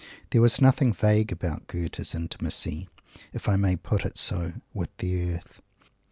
There was nothing vague about Goethe's intimacy, if I may put it so, with the Earth.